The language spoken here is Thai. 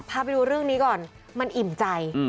พาไปดูเรื่องนี้ก่อนมันอิ่มใจ